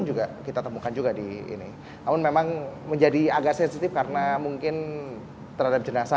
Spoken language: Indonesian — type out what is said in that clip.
juga kita temukan juga di ini namun memang menjadi agak sensitif karena mungkin terhadap jenazah